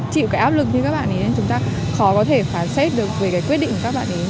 những cái áp lực như các bạn ấy chúng ta khó có thể phán xét được về cái quyết định của các bạn ấy